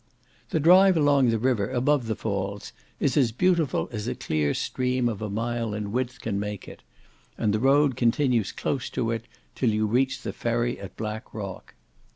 The drive along the river, above the Falls, is as beautiful as a clear stream of a mile in width can make it; and the road continues close to it till you reach the ferry at Black Rock.